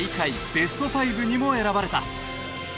ベストファイブにも選ばれた。